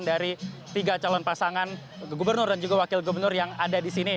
dari tiga calon pasangan gubernur dan juga wakil gubernur yang ada di sini